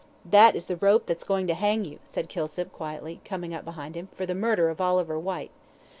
"That is the rope that's going to hang you," said Kilsip, quietly, coming behind him, "for the murder of Oliver Whyte."